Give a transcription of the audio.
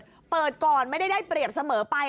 เธอเปิดก่อนแล้วไม่ได้เตรียมเสมอไป